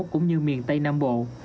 cũng như miền tây nam bộ